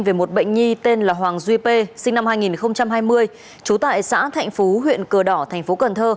về một bệnh nhi tên là hoàng duy p sinh năm hai nghìn hai mươi trú tại xã thạnh phú huyện cờ đỏ tp cn